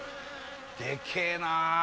でけぇな！